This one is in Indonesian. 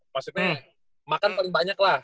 maksudnya makan paling banyak lah